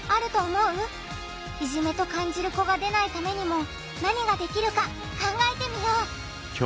いじめと感じる子が出ないためにも何ができるか考えてみよう！